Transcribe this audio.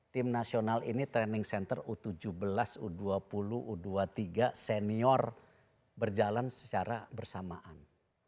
tim nasional ini training center u tujuh belas u dua puluh u dua puluh tiga senior berjalan secara bersamaan